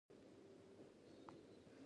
ځینې پخواني کسان د دې ټولو بدلونونو شاهدان دي.